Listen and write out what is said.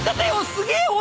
すげえ俺！